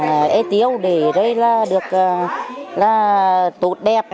để ê tiêu để đây là được tốt đẹp